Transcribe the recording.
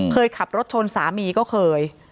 เคยขับรถชนสามีก็เคย